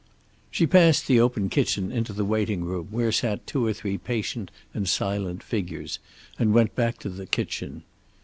She passed the open door into the waiting room, where sat two or three patient and silent figures, and went back to the kitchen.